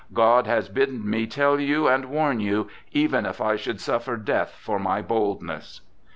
God has bidden me tell you and warn you, even if I should suffer death for my boldness!"